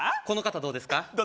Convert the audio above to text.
この方どうですか？